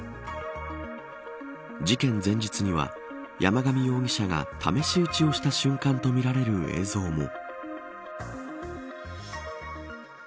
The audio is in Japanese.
事件前日には山上容疑者が試し撃ちをした瞬間とみられる映像も。